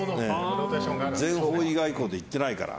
全方位外交で行ってないから。